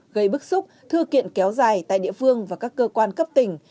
gây bức xúc thư kiện kéo dài tại địa phương và các cơ quan cấp tỉnh